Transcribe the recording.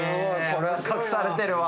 これは隠されてるわ。